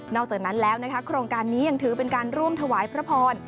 อกจากนั้นแล้วนะคะโครงการนี้ยังถือเป็นการร่วมถวายพระพร